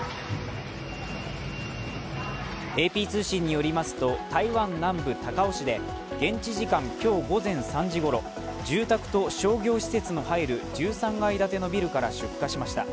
ＡＰ通信によりますと台湾南部・高雄市で現地時間今日午前３時ごろ、住宅と商業施設が入る１３階建てのビルから出火しました。